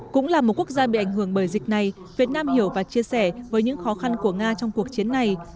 cũng là một quốc gia bị ảnh hưởng bởi dịch này việt nam hiểu và chia sẻ với những khó khăn của nga trong cuộc chiến này